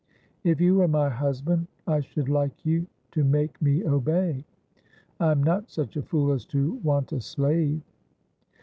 'If you were my husband, I should like you to make me obey. I am not such a fool as to want a slave.'